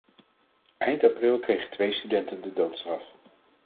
Eind april kregen twee studenten de doodstraf.